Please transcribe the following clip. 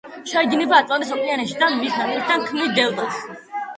ჩაედინება ატლანტის ოკეანეში და მის ნაპირთან ქმნის დელტას.